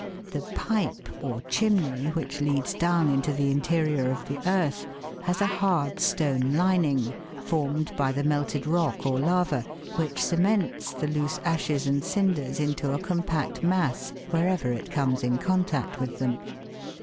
The pipe, or chim ney, which leads down into the interior of the earth, has a hard stone lining, formed by the melted rock or lava, which cements the loose ashes and cinders into a compact mass wherever it comes in contact with them.